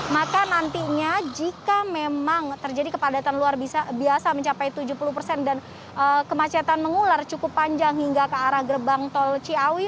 maka nantinya jika memang terjadi kepadatan luar biasa mencapai tujuh puluh persen dan kemacetan mengular cukup panjang hingga ke arah gerbang tol ciawi